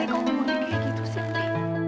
kok boleh bologi kayak gitu sih fri